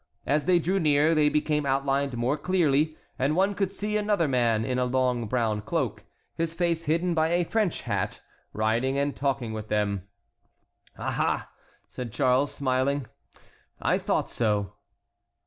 As they drew near they became outlined more clearly, and one could see another man in a long brown cloak, his face hidden by a French hat, riding and talking with them. "Ah! ah!" said Charles, smiling, "I thought so."